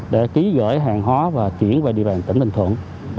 để ký gọi hàng hóa và chuyển về địa bàn tỉnh tình thuận